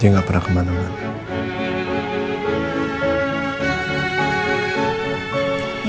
dia gak pernah kemana mana